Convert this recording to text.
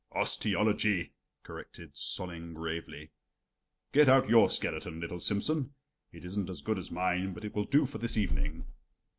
"Osteology," corrected Solling gravely. "Get out your skeleton, little Simsen. It isn't as good as mine, but it will do for this evening."